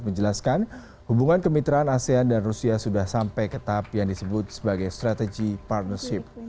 menjelaskan hubungan kemitraan asean dan rusia sudah sampai ke tahap yang disebut sebagai strategy partnership